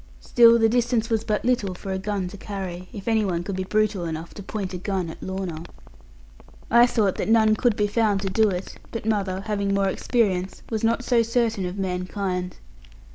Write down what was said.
Still the distance was but little for a gun to carry, if any one could be brutal enough to point a gun at Lorna. I thought that none could be found to do it; but mother, having more experience, was not so certain of mankind.